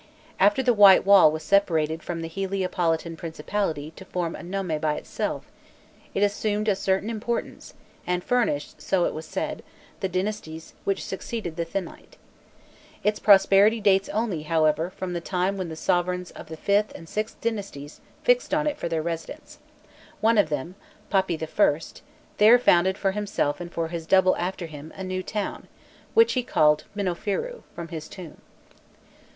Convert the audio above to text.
After the "white wall" was separated from the Heliopolitan principality to form a nome by itself, it assumed a certain importance, and furnished, so it was said, the dynasties which succeeded the Thinite. Its prosperity dates only, however, from the time when the sovereigns of the Vth and VIth dynasties fixed on it for their residence; one of them, Papi L, there founded for himself and for his "double" after him, a new town, which he called Minnofîrû, from his tomb.